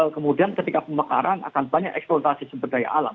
kemudian ketika pemekaran akan banyak eksploitasi sumber daya alam